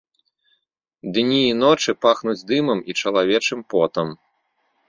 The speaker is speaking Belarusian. Дні і ночы пахнуць дымам і чалавечым потам.